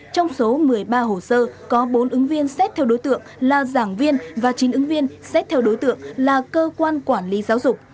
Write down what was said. trong số một mươi ba hồ sơ có bốn ứng viên xét theo đối tượng là giảng viên và chín ứng viên xét theo đối tượng là cơ quan quản lý giáo dục